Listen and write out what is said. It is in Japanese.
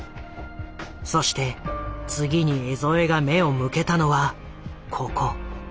そして次に江副が目を向けたのはここ。